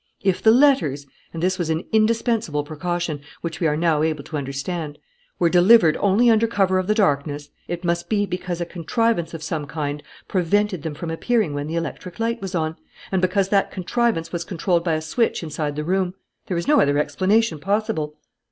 If the letters and this was an indispensable precaution, which we are now able to understand were delivered only under cover of the darkness, it must be because a contrivance of some kind prevented them from appearing when the electric light was on, and because that contrivance was controlled by a switch inside the room. There is no other explanation possible.